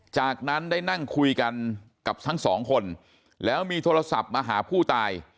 จากนั้นได้นั่งคุยกันกับทั้งสองคนแล้วมีโทรศัพท์มาหาผู้ตาย